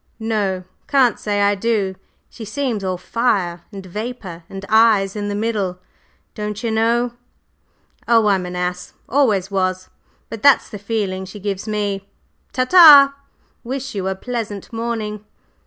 "No; can't say I do. She seems all fire and vapor and eyes in the middle, don'cher know. Oh, I'm an ass always was but that's the feeling she gives me. Ta ta! Wish you a pleasant morning!"